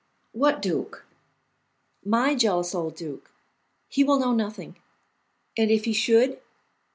"What duke?" "My jealous old duke." "He will know nothing." "And if he should?"